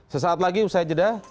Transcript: sesaat lagi usai jeda